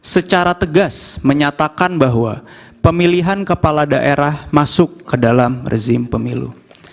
secara tegas menyatakan bahwa pemilihan kepala daerah masuk ke dalam rezim pemilu